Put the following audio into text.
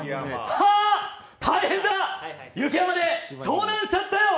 ハッ、大変だ、雪山で遭難しちゃったよ。